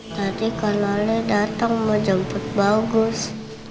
nanti kalau lo datang mau jemput bagus